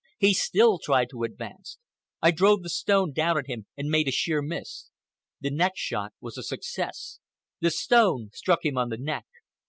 He still tried to advance. I drove the stone down at him and made a sheer miss. The next shot was a success. The stone struck him on the neck.